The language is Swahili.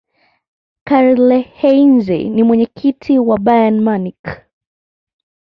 karlheinze ni mwenyekiti wa bayern munich